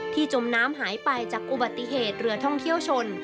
จมน้ำหายไปจากอุบัติเหตุเรือท่องเที่ยวชน